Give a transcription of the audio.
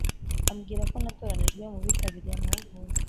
ambwira ko natoranijwe mu bitabiriye amahugurwa.